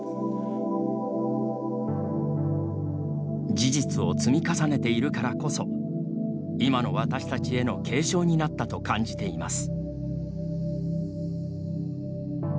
事実を積み重ねているからこそ今の私たちへの警鐘になったと感じています。